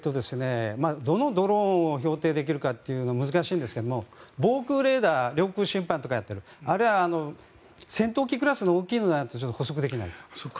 どのドローンを標定できるかは難しいんですが防空レーダー領空侵犯とかやっているあれは戦闘機クラスの大きいのだと捕捉できない。